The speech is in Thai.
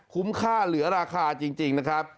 คุ้มค่าเหลือราคาจริงนะครับ